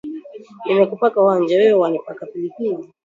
Nimekupaka wanja, wewe wanipaka pilipili